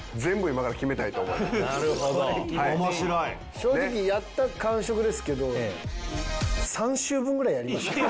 正直やった感触ですけど３週分ぐらいやりましたよ。